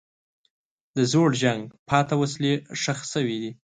د زوړ جنګ پاتې وسلې ښخ شوي دي.